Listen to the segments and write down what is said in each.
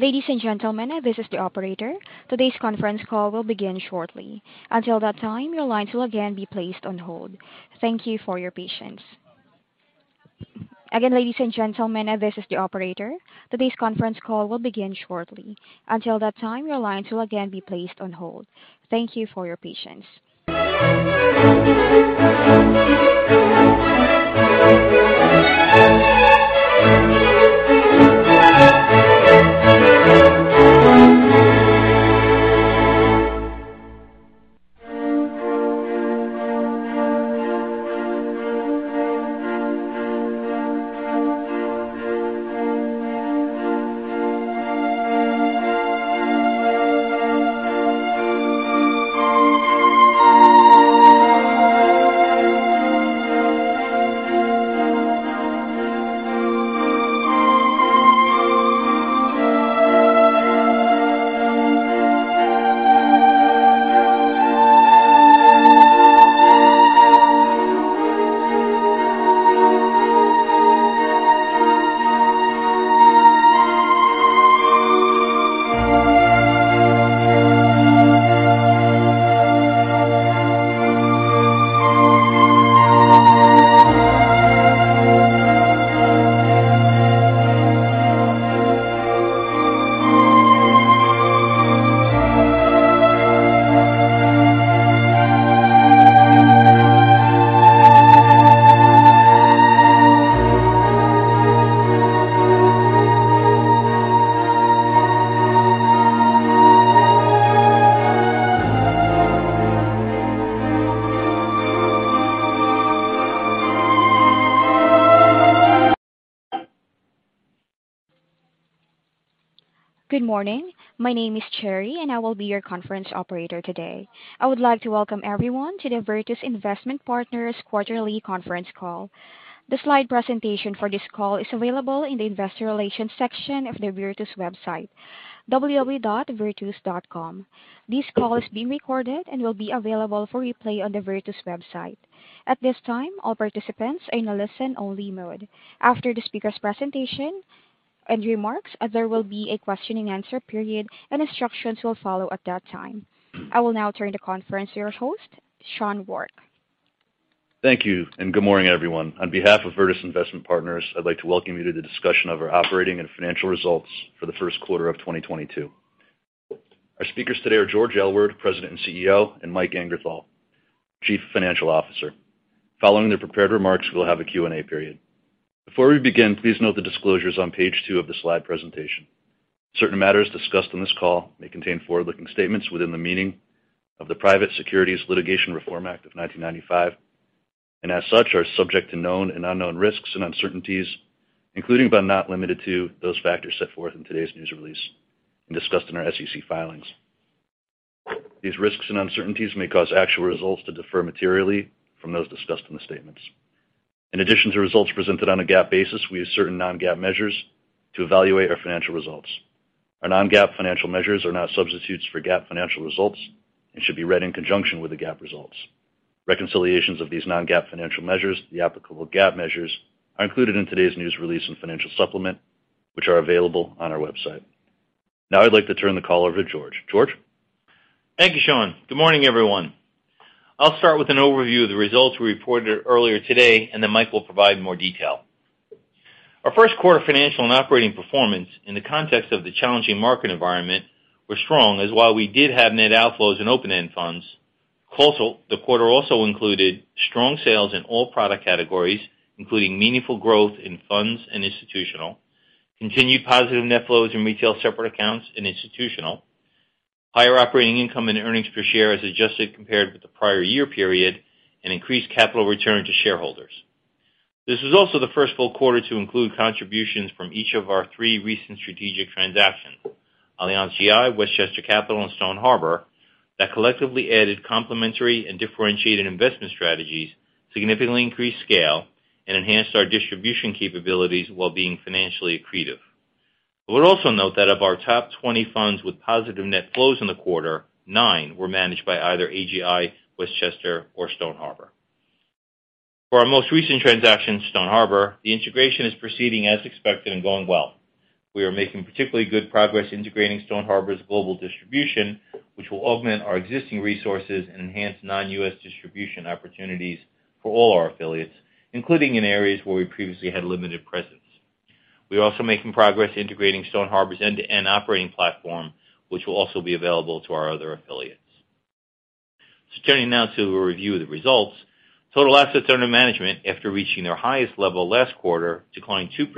Ladies and gentlemen, this is the operator. Today's conference call will begin shortly. Until that time, your lines will again be placed on hold. Thank you for your patience. Again, ladies and gentlemen, this is the operator. Today's conference call will begin shortly. Until that time, your lines will again be placed on hold. Thank you for your patience. Good morning. My name is Cherry, and I will be your conference operator today. I would like to welcome everyone to the Virtus Investment Partners quarterly conference call. The slide presentation for this call is available in the investor relations section of the Virtus website, www.virtus.com. This call is being recorded and will be available for replay on the Virtus website. At this time, all participants are in a listen-only mode. After the speaker's presentation and remarks, there will be a Q&A period, and instructions will follow at that time. I will now turn the conference to your host, Sean Rourke. Thank you, and good morning, everyone. On behalf of Virtus Investment Partners, I'd like to welcome you to the discussion of our operating and financial results for the Q1 of 2022. Our speakers today are George Aylward, President and CEO, and Mike Angerthal, Chief Financial Officer. Following their prepared remarks, we'll have a Q&A period. Before we begin, please note the disclosures on page two of the slide presentation. Certain matters discussed on this call may contain forward-looking statements within the meaning of the Private Securities Litigation Reform Act of 1995, and as such, are subject to known and unknown risks and uncertainties, including, but not limited to, those factors set forth in today's news release and discussed in our SEC filings. These risks and uncertainties may cause actual results to differ materially from those discussed in the statements. In addition to results presented on a GAAP basis, we use certain non-GAAP measures to evaluate our financial results. Our non-GAAP financial measures are not substitutes for GAAP financial results and should be read in conjunction with the GAAP results. Reconciliations of these non-GAAP financial measures, the applicable GAAP measures, are included in today's news release and financial supplement, which are available on our website. Now I'd like to turn the call over to George. George? Thank you, Sean. Good morning, everyone. I'll start with an overview of the results we reported earlier today, and then Mike will provide more detail. Our Q1 financial and operating performance in the context of the challenging market environment were strong, as while we did have net outflows in open-end funds, the quarter also included strong sales in all product categories, including meaningful growth in funds and institutional, continued positive net flows in retail separate accounts and institutional, higher operating income and earnings per share as adjusted compared with the prior year period, and increased capital return to shareholders. This was also the first full quarter to include contributions from each of our three recent strategic transactions, AllianzGI, Westchester Capital, and Stone Harbor, that collectively added complementary and differentiated investment strategies, significantly increased scale, and enhanced our distribution capabilities while being financially accretive. I would also note that of our top 20 funds with positive net flows in the quarter, nine were managed by either AGI, Westchester, or Stone Harbor. For our most recent transaction, Stone Harbor, the integration is proceeding as expected and going well. We are making particularly good progress integrating Stone Harbor's global distribution, which will augment our existing resources and enhance non-US distribution opportunities for all our affiliates, including in areas where we previously had limited presence. We are also making progress integrating Stone Harbor's end-to-end operating platform, which will also be available to our other affiliates. Turning now to a review of the results. Total assets under management after reaching their highest level last quarter declined 2%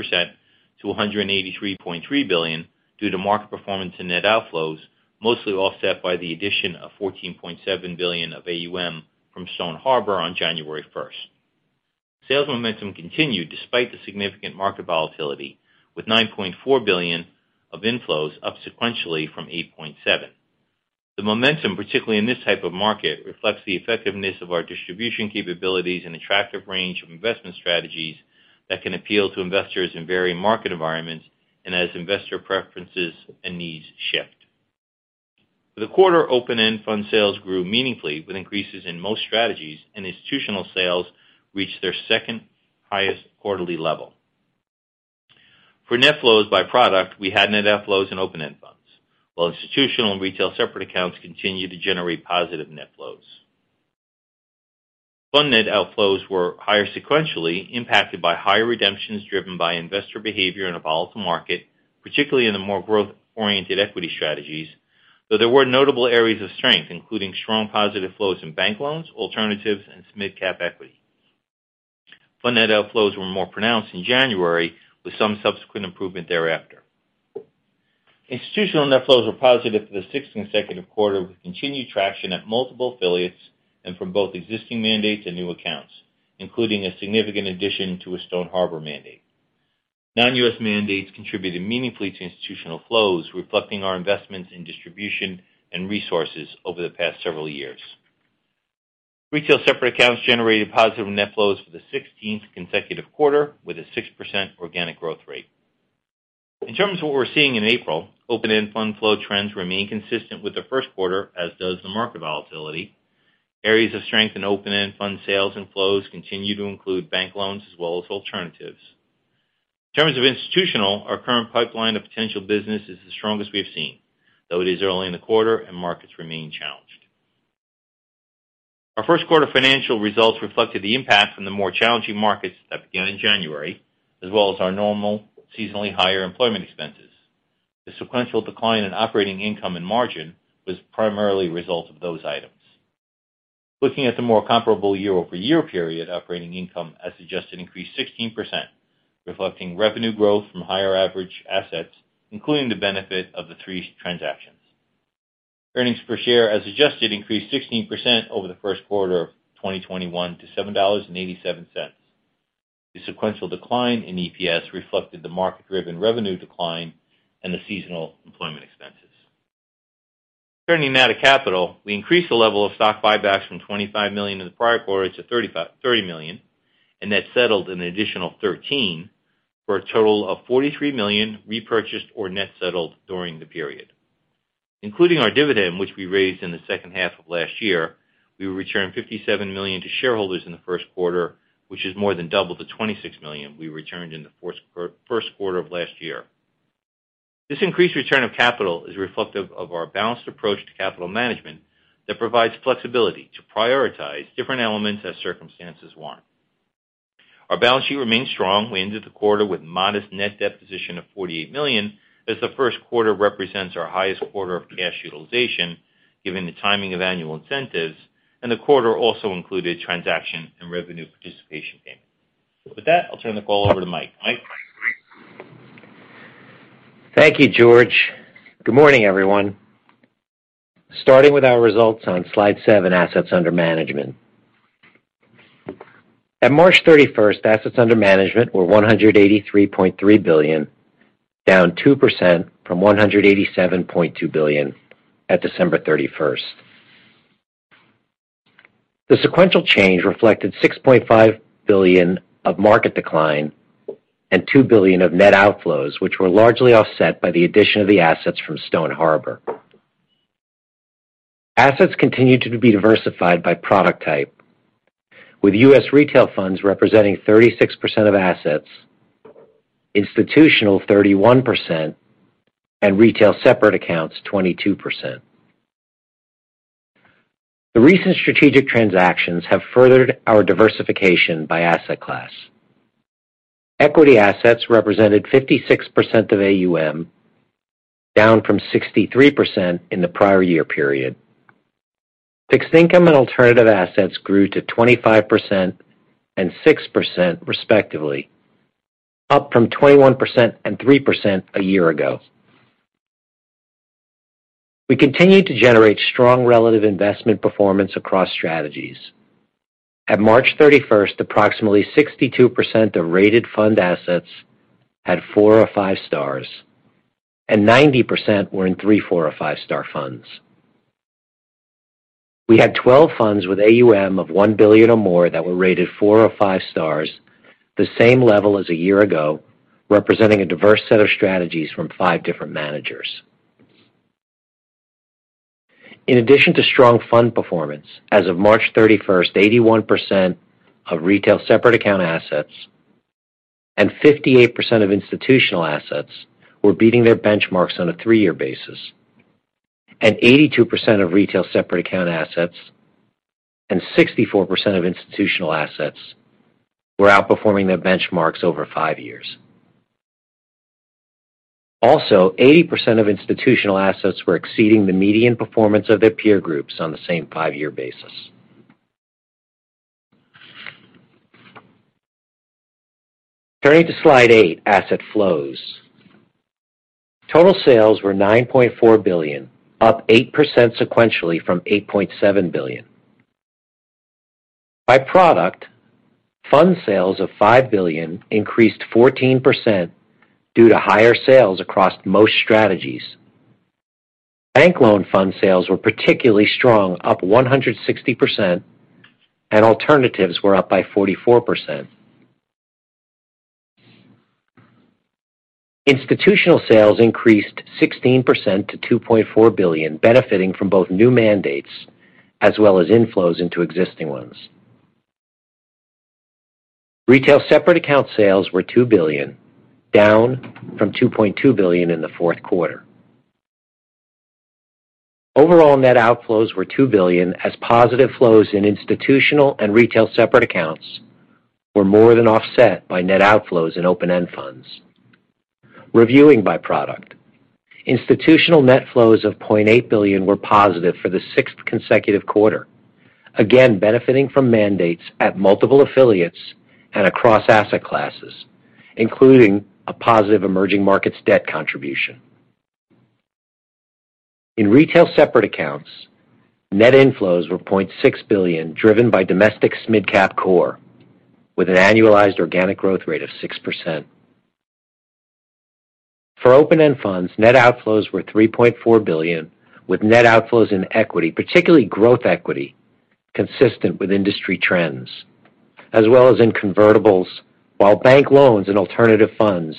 to $183.3 billion due to market performance and net outflows, mostly offset by the addition of $14.7 billion of AUM from Stone Harbor on January first. Sales momentum continued despite the significant market volatility, with $9.4 billion of inflows up sequentially from $8.7 billion. The momentum, particularly in this type of market, reflects the effectiveness of our distribution capabilities and attractive range of investment strategies that can appeal to investors in varying market environments and as investor preferences and needs shift. The quarter open-end fund sales grew meaningfully with increases in most strategies, and institutional sales reached their second highest quarterly level. For net flows by product, we had net outflows in open-end funds, while institutional and retail separate accounts continued to generate positive net flows. Fund net outflows were higher sequentially impacted by higher redemptions driven by investor behavior in a volatile market, particularly in the more growth-oriented equity strategies, though there were notable areas of strength, including strong positive flows in bank loans, alternatives, and midcap equity. Fund net outflows were more pronounced in January, with some subsequent improvement thereafter. Institutional net flows were positive for the sixth consecutive quarter, with continued traction at multiple affiliates and from both existing mandates and new accounts, including a significant addition to a Stone Harbor mandate. Non-U.S. mandates contributed meaningfully to institutional flows, reflecting our investments in distribution and resources over the past several years. Retail separate accounts generated positive net flows for the 16th consecutive quarter, with a 6% organic growth rate. In terms of what we're seeing in April, open-end fund flow trends remain consistent with the Q1, as does the market volatility. Areas of strength in open-end fund sales and flows continue to include bank loans as well as alternatives. In terms of institutional, our current pipeline of potential business is the strongest we have seen, though it is early in the quarter and markets remain challenged. Our Q1 financial results reflected the impact from the more challenging markets that began in January, as well as our normal seasonally higher employment expenses. The sequential decline in operating income and margin was primarily a result of those items. Looking at the more comparable year-over-year period, operating income has increased 16%, reflecting revenue growth from higher average assets, including the benefit of the three transactions. Earnings per share, as adjusted, increased 16% over the Q1 of 2021 to $7.87. The sequential decline in EPS reflected the market-driven revenue decline and the seasonal employment expenses. Turning now to capital, we increased the level of stock buybacks from $25 million in the prior quarter to $30 million, and that settled an additional 13 for a total of $43 million repurchased or net settled during the period. Including our dividend, which we raised in the second half of last year, we returned $57 million to shareholders in the Q1, which is more than double the $26 million we returned in the Q1 of last year. This increased return of capital is reflective of our balanced approach to capital management that provides flexibility to prioritize different elements as circumstances warrant. Our balance sheet remains strong. We ended the quarter with modest net debt position of $48 million, as the Q1 represents our highest quarter of cash utilization, given the timing of annual incentives, and the quarter also included transaction and revenue participation payment. With that, I'll turn the call over to Mike. Mike? Thank you, George. Good morning, everyone. Starting with our results on Slide seven, Assets Under Management. At March 31, assets under management were $183.3 billion, down 2% from $187.2 billion at December 31. The sequential change reflected $6.5 billion of market decline and $2 billion of net outflows, which were largely offset by the addition of the assets from Stone Harbor. Assets continued to be diversified by product type, with U.S. retail funds representing 36% of assets, institutional 31% and retail separate accounts 22%. The recent strategic transactions have furthered our diversification by asset class. Equity assets represented 56% of AUM, down from 63% in the prior year period. Fixed income and alternative assets grew to 25% and 6% respectively, up from 21% and 3% a year ago. We continued to generate strong relative investment performance across strategies. At March 31, approximately 62% of rated fund assets had four or five stars, and 90% were in three, four, or five-star funds. We had 12 funds with AUM of $1 billion or more that were rated four or five stars, the same level as a year ago, representing a diverse set of strategies from five different managers. In addition to strong fund performance, as of March 31, 81% of retail separate account assets and 58% of institutional assets were beating their benchmarks on a three-year basis, and 82% of retail separate account assets and 64% of institutional assets were outperforming their benchmarks over five years. Also, 80% of institutional assets were exceeding the median performance of their peer groups on the same five-year basis. Turning to Slide eight, Asset Flows. Total sales were $9.4 billion, up 8% sequentially from $8.7 billion. By product, fund sales of $5 billion increased 14% due to higher sales across most strategies. Bank loan fund sales were particularly strong, up 160%, and alternatives were up by 44%. Institutional sales increased 16% to $2.4 billion, benefiting from both new mandates as well as inflows into existing ones. Retail separate account sales were $2 billion, down from $2.2 billion in the Q4. Overall net outflows were $2 billion as positive flows in institutional and retail separate accounts were more than offset by net outflows in open-end funds. Reviewing by product, institutional net flows of $0.8 billion were positive for the sixth consecutive quarter, again benefiting from mandates at multiple affiliates and across asset classes, including a positive emerging markets debt contribution. In retail separate accounts, net inflows were $0.6 billion, driven by domestic SMID-Cap core with an annualized organic growth rate of 6%. For open-end funds, net outflows were $3.4 billion, with net outflows in equity, particularly growth equity, consistent with industry trends as well as in convertibles, while bank loans and alternative funds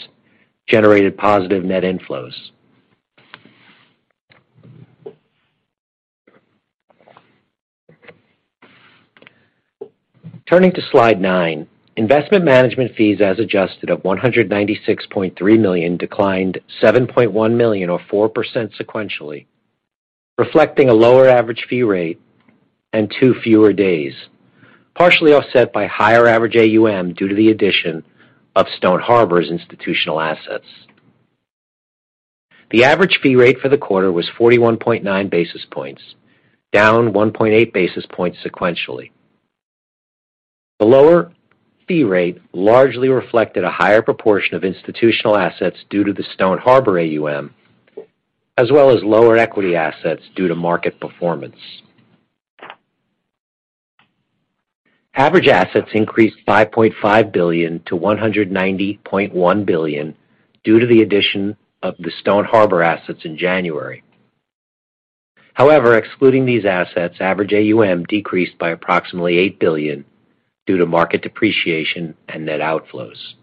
generated positive net inflows. Turning to slide nine. Investment management fees as adjusted of $196.3 million declined $7.1 million or 4% sequentially, reflecting a lower average fee rate and two fewer days, partially offset by higher average AUM due to the addition of Stone Harbor's institutional assets. The average fee rate for the quarter was 41.9 basis points, down 1.8 basis points sequentially. The lower fee rate largely reflected a higher proportion of institutional assets due to the Stone Harbor AUM, as well as lower equity assets due to market performance. Average assets increased $5.5 billion-$190.1 billion due to the addition of the Stone Harbor assets in January. However, excluding these assets, average AUM decreased by approximately $8 billion due to market depreciation and net outflows.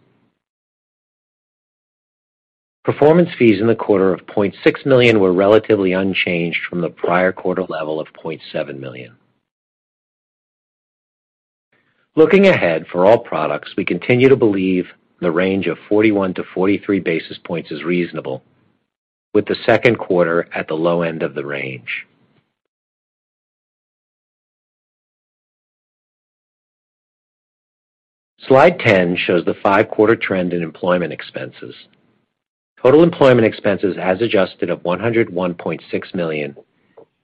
Performance fees in the quarter of $0.6 million were relatively unchanged from the prior quarter level of $0.7 million. Looking ahead, for all products, we continue to believe the range of 41-43 basis points is reasonable, with the second quarter at the low end of the range. Slide 10 shows the five-quarter trend in employment expenses. Total employment expenses as adjusted of $101.6 million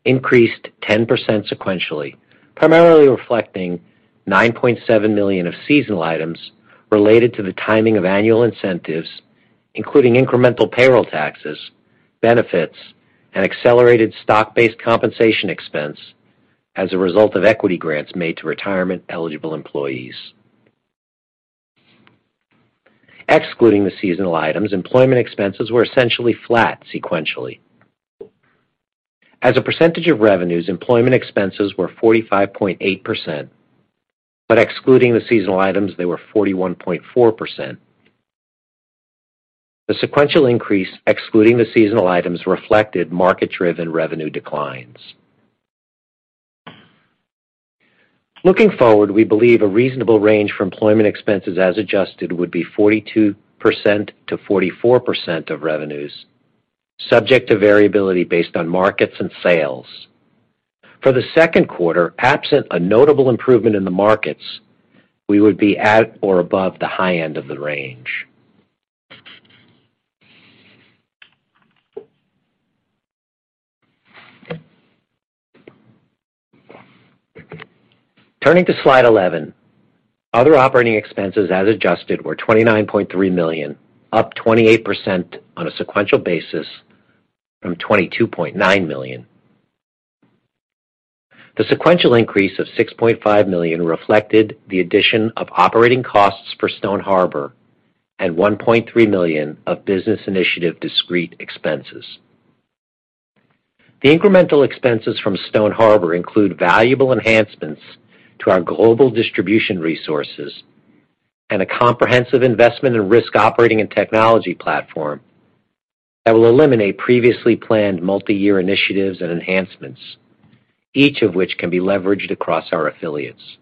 increased 10% sequentially, primarily reflecting $9.7 million of seasonal items related to the timing of annual incentives, including incremental payroll taxes, benefits, and accelerated stock-based compensation expense as a result of equity grants made to retirement-eligible employees. Excluding the seasonal items, employment expenses were essentially flat sequentially. As a percentage of revenues, employment expenses were 45.8%, but excluding the seasonal items, they were 41.4%. The sequential increase, excluding the seasonal items, reflected market-driven revenue declines. Looking forward, we believe a reasonable range for employment expenses as adjusted would be 42%-44% of revenues, subject to variability based on markets and sales. For the second quarter, absent a notable improvement in the markets, we would be at or above the high end of the range. Turning to slide 11, other operating expenses as adjusted were $29.3 million, up 28% on a sequential basis from $22.9 million. The sequential increase of $6.5 million reflected the addition of operating costs for Stone Harbor and $1.3 million of business initiative discrete expenses. The incremental expenses from Stone Harbor include valuable enhancements to our global distribution resources and a comprehensive investment in risk operating and technology platform that will eliminate previously planned multiyear initiatives and enhancements, each of which can be leveraged across our affiliates.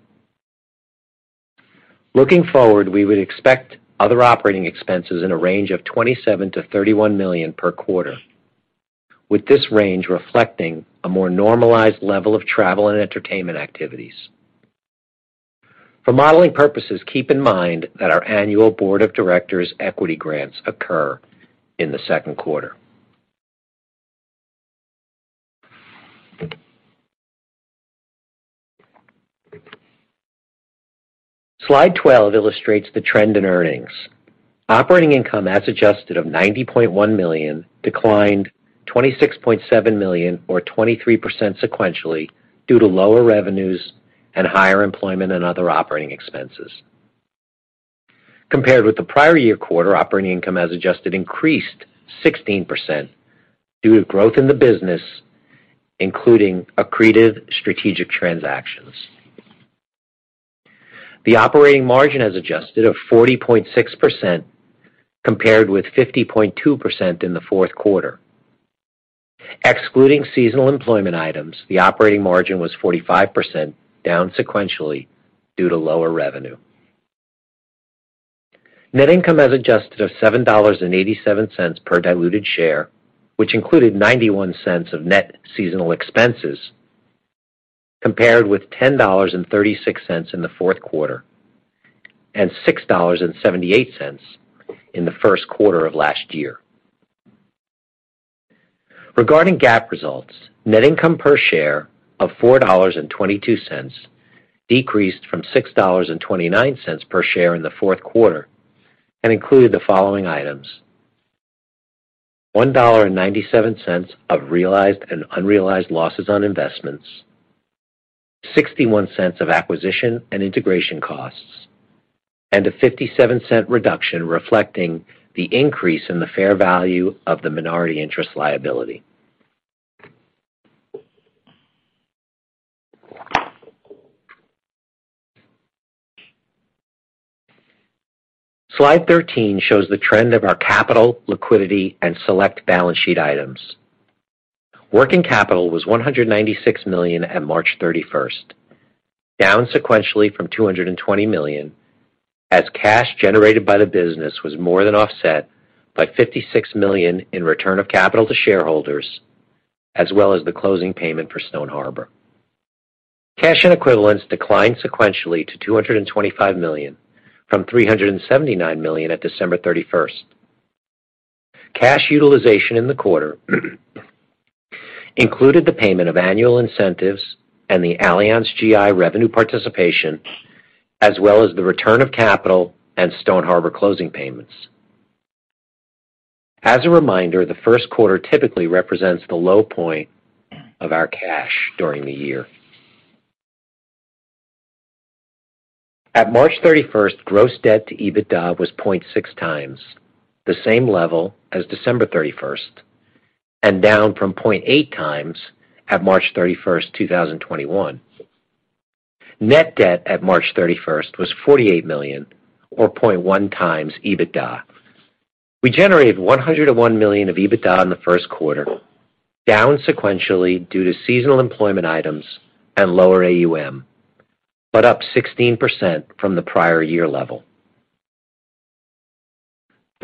Looking forward, we would expect other operating expenses in a range of $27 million-$31 million per quarter, with this range reflecting a more normalized level of travel and entertainment activities. For modeling purposes, keep in mind that our annual board of directors equity grants occur in the second quarter. Slide 12 illustrates the trend in earnings. Operating income as adjusted of $90.1 million declined $26.7 million or 23% sequentially due to lower revenues and higher employment and other operating expenses. Compared with the prior year quarter, operating income as adjusted increased 16% due to growth in the business, including accretive strategic transactions. The operating margin as adjusted of 40.6% compared with 50.2% in the Q4. Excluding seasonal employment items, the operating margin was 45% down sequentially due to lower revenue. Net income of $7.87 per diluted share, which included $0.91 of net special expenses compared with $10.36 in the Q4, and $6.78 in the Q1 of last year. Regarding GAAP results, net income per share of $4.22 decreased from $6.29 per share in the Q4, and included the following items, $1.97 of realized and unrealized losses on investments, $0.61 of acquisition and integration costs, and a $0.57 reduction reflecting the increase in the fair value of the minority interest liability. Slide 13 shows the trend of our capital, liquidity, and select balance sheet items. Working capital was $196 million at March 31, down sequentially from $220 million, as cash generated by the business was more than offset by $56 million in return of capital to shareholders, as well as the closing payment for Stone Harbor. Cash and equivalents declined sequentially to $225 million, from $379 million at December 31. Cash utilization in the quarter included the payment of annual incentives and the AllianzGI revenue participation, as well as the return of capital and Stone Harbor closing payments. As a reminder, the Q1 typically represents the low point of our cash during the year. At March 31, gross debt to EBITDA was 0.6x, the same level as December 31, and down from 0.8x at March 31, 2021. Net debt at March 31st was $48 million or 0.1x EBITDA. We generated $101 million of EBITDA in the Q1, down sequentially due to seasonal employment items and lower AUM, but up 16% from the prior year level.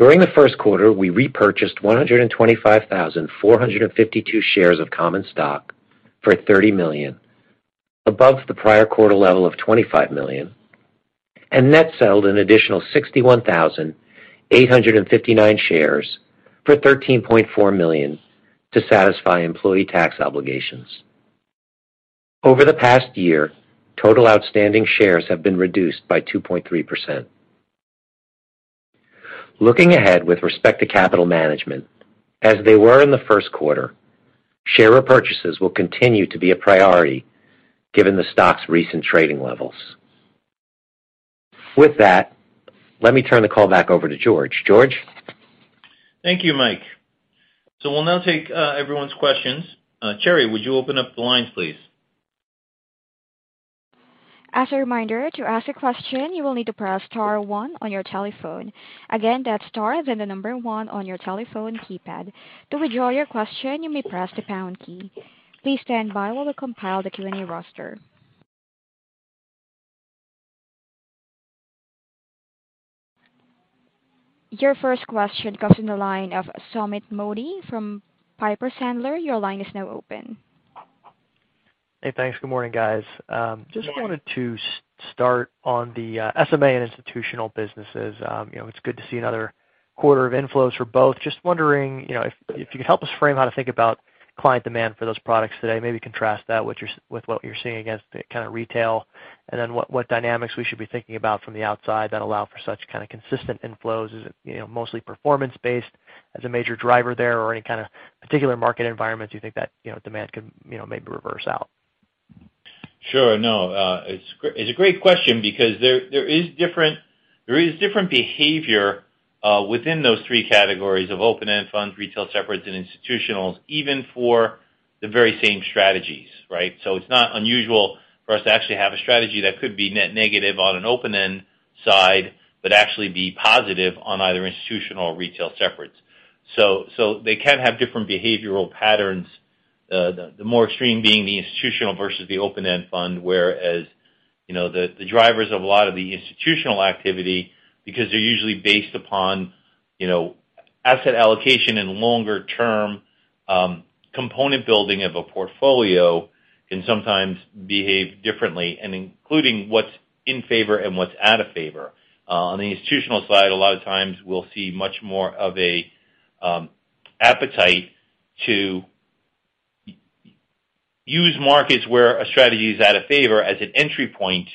During the Q1, we repurchased 125,452 shares of common stock for $30 million above the prior quarter level of $25 million, and net settled an additional 61,859 shares for $13.4 million to satisfy employee tax obligations. Over the past year, total outstanding shares have been reduced by 2.3%. Looking ahead with respect to capital management, as they were in the Q1, share repurchases will continue to be a priority given the stock's recent trading levels. With that, let me turn the call back over to George. George? Thank you, Mike. We'll now take everyone's questions. Cherry, would you open up the lines, please? As a reminder, to ask a question, you will need to press star one on your telephone. Again, that's star, then the number one on your telephone keypad. To withdraw your question, you may press the pound key. Please stand by while we compile the Q&A roster. Your first question comes from the line of Sumeet Mody from Piper Sandler. Your line is now open. Hey, thanks. Good morning, guys. Just wanted to start on the SMA and institutional businesses. You know, it's good to see another quarter of inflows for both. Just wondering, you know, if you could help us frame how to think about client demand for those products today, maybe contrast that with what you're seeing against the kinda retail, and then what dynamics we should be thinking about from the outside that allow for such kinda consistent inflows. Is it, you know, mostly performance-based as a major driver there or any kinda particular market environment you think that, you know, demand could, you know, maybe reverse out? Sure. No. It's a great question because there is different behavior within those three categories of open-end funds, retail separates and institutionals, even for the very same strategies, right? It's not unusual for us to actually have a strategy that could be net negative on an open-end side, but actually be positive on either institutional or retail separates. They can have different behavioral patterns, the more extreme being the institutional versus the open-end fund whereas you know the drivers of a lot of the institutional activity because they're usually based upon you know asset allocation and longer term component building of a portfolio can sometimes behave differently and including what's in favor and what's out of favor. On the institutional side, a lot of times we'll see much more of a appetite to use markets where a strategy is out of favor as an entry point,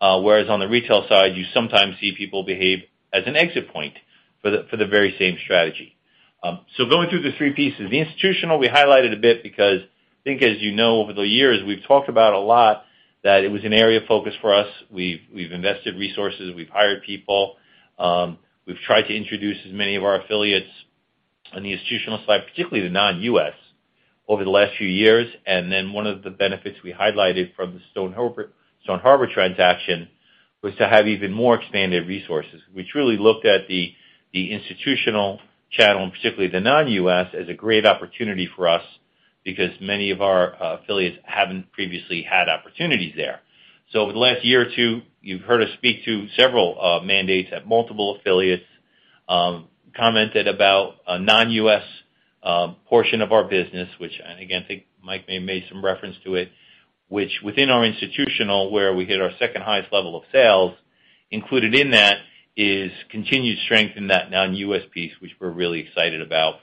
whereas on the retail side you sometimes see people behave as an exit point for the very same strategy. Going through the three pieces, the institutional we highlighted a bit because I think as you know over the years we've talked about a lot, that it was an area of focus for us. We've invested resources, we've hired people, we've tried to introduce as many of our affiliates. On the institutional side, particularly the non-U.S., over the last few years, and then one of the benefits we highlighted from the Stone Harbor transaction was to have even more expanded resources. We truly looked at the institutional channel, and particularly the non-U.S., as a great opportunity for us because many of our affiliates haven't previously had opportunities there. Over the last year or two, you've heard us speak to several mandates at multiple affiliates, commented about a non-U.S. portion of our business, and again, I think Mike may have made some reference to it, which within our institutional, where we hit our second-highest level of sales, included in that is continued strength in that non-U.S. piece, which we're really excited about.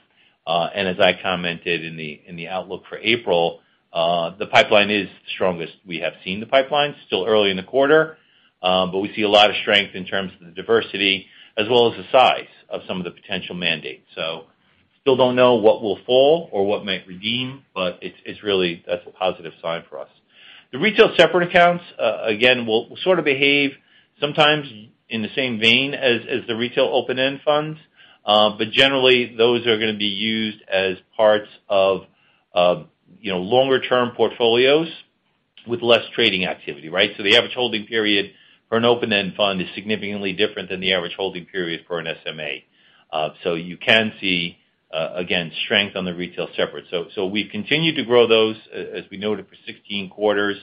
As I commented in the outlook for April, the pipeline is the strongest we have seen. Still early in the quarter, but we see a lot of strength in terms of the diversity as well as the size of some of the potential mandates. Still don't know what will fall or what might redeem, but it's really. That's a positive sign for us. The retail separate accounts, again, will sort of behave sometimes in the same vein as the retail open-end funds. But generally, those are gonna be used as parts of, you know, longer-term portfolios with less trading activity, right? The average holding period for an open-end fund is significantly different than the average holding period for an SMA. You can see, again, strength on the retail separate. We continue to grow those as we noted for 16 quarters.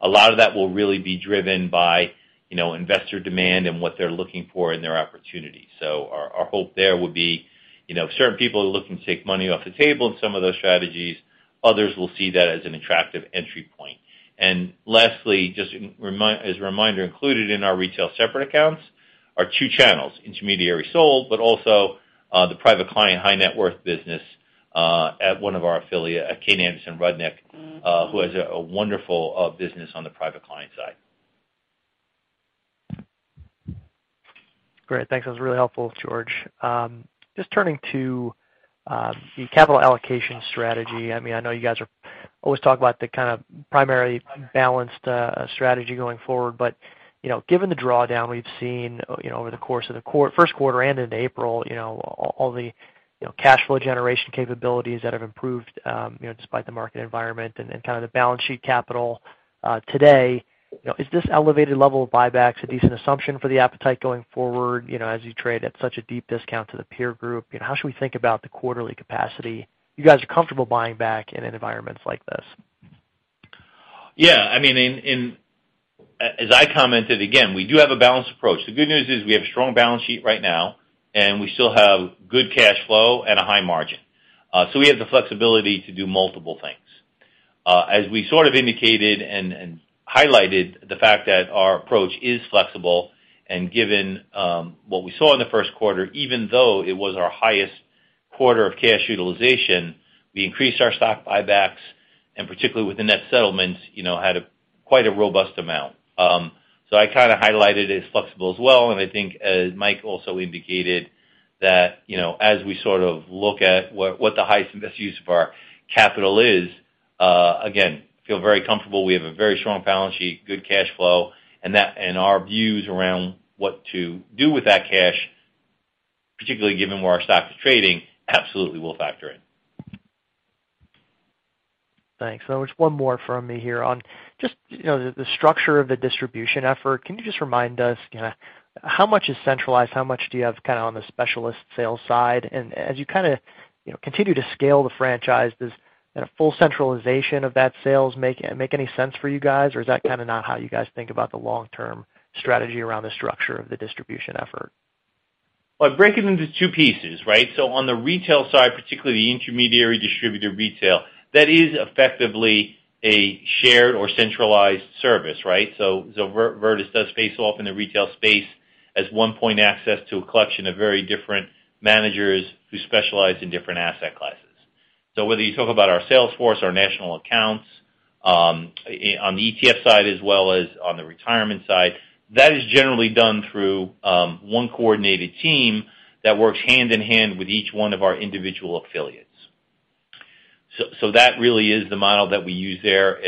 A lot of that will really be driven by, you know, investor demand and what they're looking for in their opportunities. Our hope there would be, you know, certain people are looking to take money off the table in some of those strategies. Others will see that as an attractive entry point. Lastly, just as a reminder, included in our retail separate accounts are two channels, intermediary sold, but also, the private client high net worth business, at one of our affiliate, at Kayne Anderson Rudnick. Mm-hmm. who has a wonderful business on the private client side. Great. Thanks. That was really helpful, George. Just turning to the capital allocation strategy. I mean, I know you guys are always talk about the kind of primary balanced strategy going forward. You know, given the drawdown we've seen you know, over the course of the Q1 and into April, you know, all the you know, cash flow generation capabilities that have improved, you know, despite the market environment and kind of the balance sheet capital today, you know, is this elevated level of buybacks a decent assumption for the appetite going forward, you know, as you trade at such a deep discount to the peer group? You know, how should we think about the quarterly capacity? You guys are comfortable buying back in an environment like this. Yeah, I mean, as I commented, again, we do have a balanced approach. The good news is we have strong balance sheet right now, and we still have good cash flow and a high margin. So we have the flexibility to do multiple things. As we sort of indicated and highlighted the fact that our approach is flexible, and given what we saw in the Q1, even though it was our highest quarter of cash utilization, we increased our stock buybacks, and particularly with the net settlements, you know, had quite a robust amount. So I kinda highlighted it's flexible as well, and I think as Mike also indicated, that you know, as we sort of look at what the highest and best use of our capital is, again, feel very comfortable. We have a very strong balance sheet, good cash flow. Our views around what to do with that cash, particularly given where our stock is trading, absolutely will factor in. Thanks. Just one more from me here on just, you know, the structure of the distribution effort. Can you just remind us, you know, how much is centralized? How much do you have kind of on the specialist sales side? And as you kinda, you know, continue to scale the franchise, does kind of full centralization of that sales make any sense for you guys? Or is that kinda not how you guys think about the long-term strategy around the structure of the distribution effort? I'll break it into two pieces, right? On the retail side, particularly the intermediary distributor retail, that is effectively a shared or centralized service, right? Virtus does face off in the retail space as one point access to a collection of very different managers who specialize in different asset classes. Whether you talk about our sales force, our national accounts, on the ETF side as well as on the retirement side, that is generally done through one coordinated team that works hand in hand with each one of our individual affiliates. That really is the model that we use there.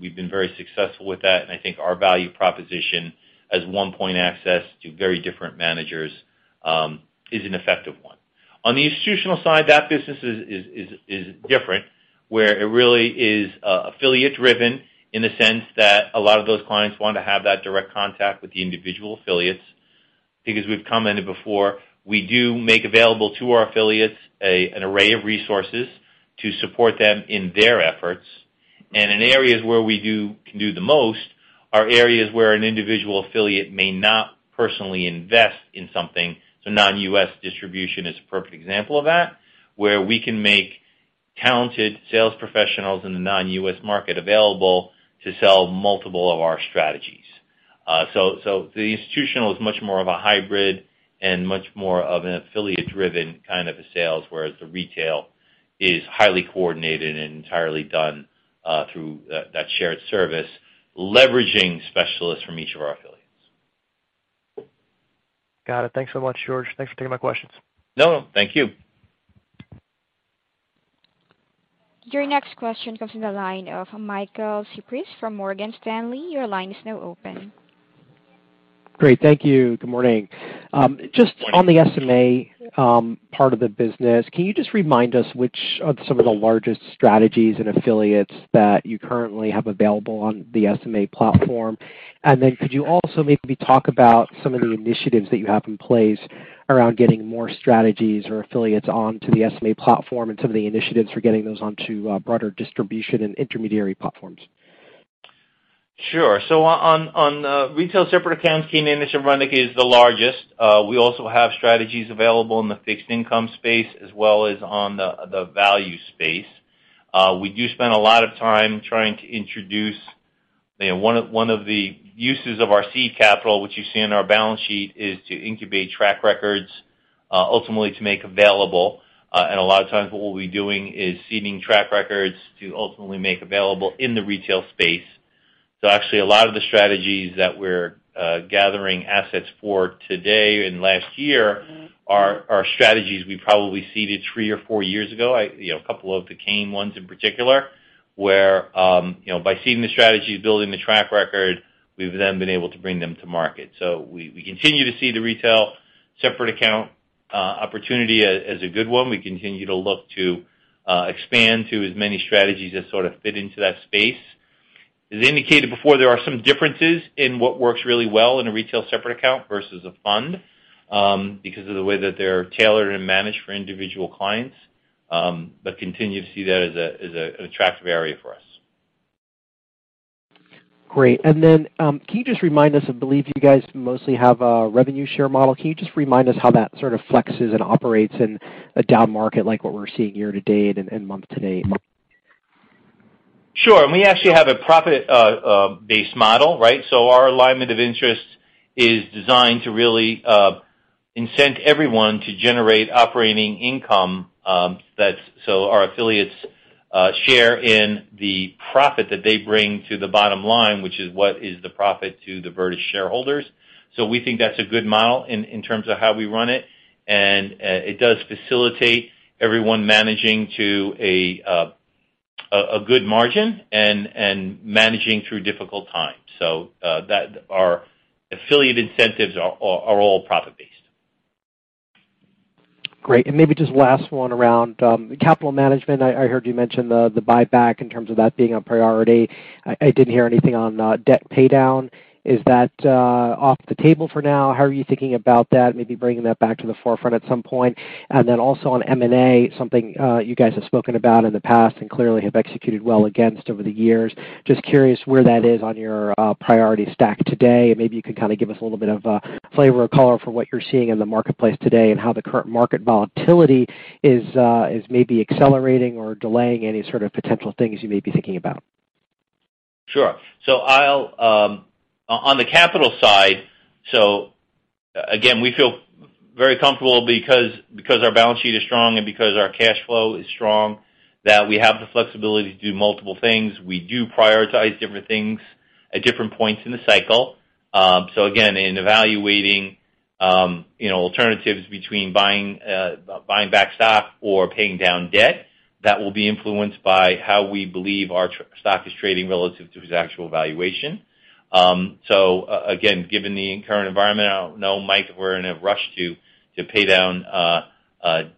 We've been very successful with that. I think our value proposition as one point access to very different managers is an effective one. On the institutional side, that business is different, where it really is affiliate driven in the sense that a lot of those clients want to have that direct contact with the individual affiliates. Because we've commented before, we do make available to our affiliates an array of resources to support them in their efforts. In areas where we can do the most are areas where an individual affiliate may not personally invest in something. Non-U.S. distribution is a perfect example of that, where we can make talented sales professionals in the non-U.S. market available to sell multiple of our strategies. The institutional is much more of a hybrid and much more of an affiliate-driven kind of a sales, whereas the retail is highly coordinated and entirely done through that shared service, leveraging specialists from each of our affiliates. Got it. Thanks so much, George. Thanks for taking my questions. No, thank you. Your next question comes from the line of Michael Cyprys from Morgan Stanley. Your line is now open. Great. Thank you. Good morning. Just on the SMA part of the business, can you just remind us which are some of the largest strategies and affiliates that you currently have available on the SMA platform? And then could you also maybe talk about some of the initiatives that you have in place around getting more strategies or affiliates onto the SMA platform and some of the initiatives for getting those onto broader distribution and intermediary platforms? Sure. On retail separate accounts, Kayne Anderson Rudnick is the largest. We also have strategies available in the fixed income space as well as on the value space. We do spend a lot of time trying to introduce, you know, one of the uses of our seed capital, which you see in our balance sheet, is to incubate track records ultimately to make available. A lot of times what we'll be doing is seeding track records to ultimately make available in the retail space. Actually a lot of the strategies that we're gathering assets for today and last year are strategies we probably seeded three or four years ago. You know, a couple of the Kayne ones in particular, where you know, by seeding the strategies, building the track record, we've then been able to bring them to market. We continue to see the retail separate account opportunity as a good one. We continue to look to expand to as many strategies that sort of fit into that space. As indicated before, there are some differences in what works really well in a retail separate account versus a fund, because of the way that they're tailored and managed for individual clients, but continue to see that as an attractive area for us. Great. Can you just remind us, I believe you guys mostly have a revenue share model. Can you just remind us how that sort of flexes and operates in a down market like what we're seeing year to date and month to date? Sure. We actually have a profit based model, right? Our alignment of interest is designed to really incent everyone to generate operating income, that's so our affiliates share in the profit that they bring to the bottom line, which is what is the profit to the Virtus shareholders. We think that's a good model in terms of how we run it. It does facilitate everyone managing to a good margin and managing through difficult times. Our affiliate incentives are all profit based. Great. Maybe just last one around capital management. I heard you mention the buyback in terms of that being a priority. I didn't hear anything on debt paydown. Is that off the table for now? How are you thinking about that, maybe bringing that back to the forefront at some point? Then also on M&A, something you guys have spoken about in the past and clearly have executed well against over the years. Just curious where that is on your priority stack today. Maybe you could kinda give us a little bit of a flavor or color for what you're seeing in the marketplace today and how the current market volatility is maybe accelerating or delaying any sort of potential things you may be thinking about. Sure. I'll on the capital side, again, we feel very comfortable because our balance sheet is strong and because our cash flow is strong, that we have the flexibility to do multiple things. We do prioritize different things at different points in the cycle. Again, in evaluating, you know, alternatives between buying back stock or paying down debt, that will be influenced by how we believe our stock is trading relative to its actual valuation. Again, given the current environment, I don't know, Mike, if we're in a rush to pay down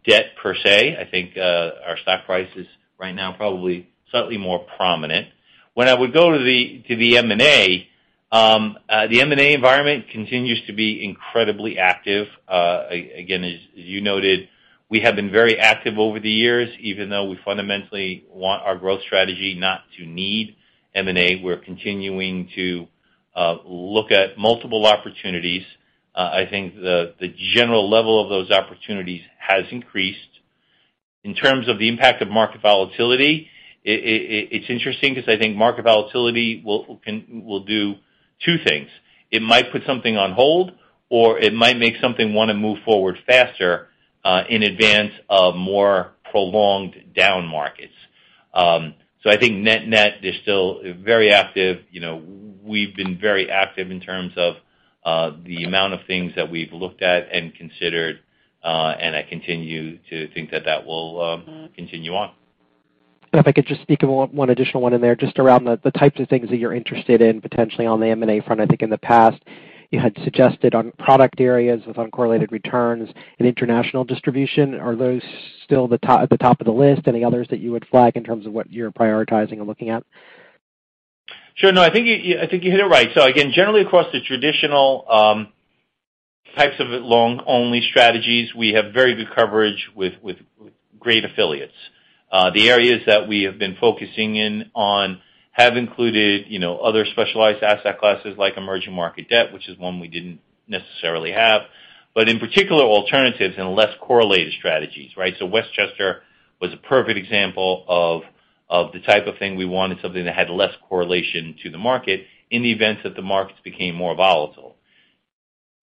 debt per se. I think our stock price is right now probably slightly more prominent. When I would go to the M&A environment continues to be incredibly active. Again, as you noted, we have been very active over the years, even though we fundamentally want our growth strategy not to need M&A, we're continuing to look at multiple opportunities. I think the general level of those opportunities has increased. In terms of the impact of market volatility, it's interesting because I think market volatility will do two things. It might put something on hold, or it might make something wanna move forward faster, in advance of more prolonged down markets. I think net-net is still very active. You know, we've been very active in terms of the amount of things that we've looked at and considered, and I continue to think that will continue on. If I could just sneak in one additional one in there, just around the types of things that you're interested in potentially on the M&A front. I think in the past you had suggested on product areas with uncorrelated returns and international distribution. Are those still at the top of the list? Any others that you would flag in terms of what you're prioritizing and looking at? Sure. No, I think you hit it right. Again, generally across the traditional types of long-only strategies, we have very good coverage with great affiliates. The areas that we have been focusing in on have included, you know, other specialized asset classes like emerging market debt, which is one we didn't necessarily have, but in particular alternatives and less correlated strategies, right? Westchester was a perfect example of the type of thing we wanted, something that had less correlation to the market in the event that the markets became more volatile.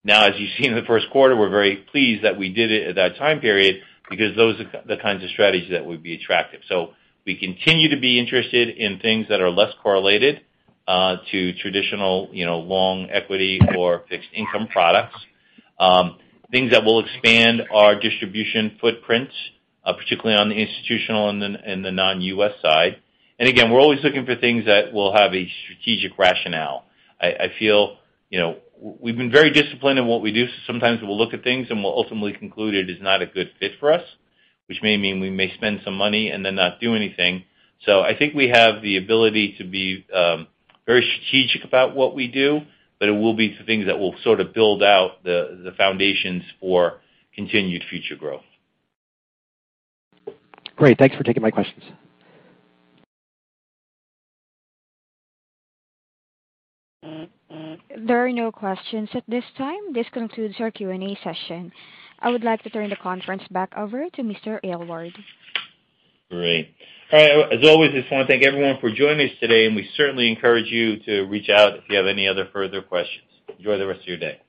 Now, as you've seen in the Q1, we're very pleased that we did it at that time period because those are the kinds of strategies that would be attractive. We continue to be interested in things that are less correlated to traditional, you know, long equity or fixed income products. Things that will expand our distribution footprint, particularly on the institutional and the non-U.S. side. We're always looking for things that will have a strategic rationale. I feel, you know, we've been very disciplined in what we do. Sometimes we'll look at things and we'll ultimately conclude it is not a good fit for us, which may mean we may spend some money and then not do anything. I think we have the ability to be very strategic about what we do, but it will be things that will sort of build out the foundations for continued future growth. Great. Thanks for taking my questions. There are no questions at this time. This concludes our Q&A session. I would like to turn the conference back over to Mr. Aylward. Great. All right. As always, I just wanna thank everyone for joining us today, and we certainly encourage you to reach out if you have any other further questions. Enjoy the rest of your day.